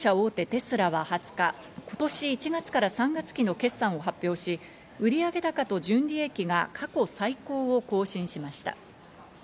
テスラは２０日、今年１月から３月期の決算を発表し、売上高と純利益が過去最高を更新しました。